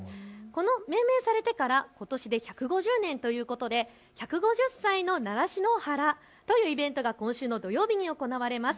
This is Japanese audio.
命名されてからことしで１５０年ということで百五十歳の習志野原というイベントが今週の土曜日に行われます。